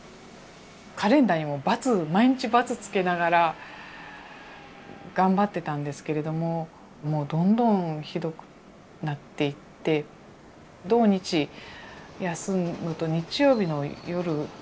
カレンダーにバツ毎日バツつけながら頑張ってたんですけれどももうどんどんひどくなっていって土日休むと日曜日の夜って最悪なんですよね。